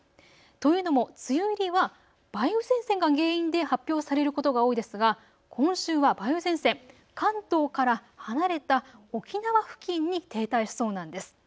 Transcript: というのも梅雨入りは梅雨前線が原因で発表されることが多いですが今週は梅雨前線関東から離れた沖縄付近に停滞しそうなんです。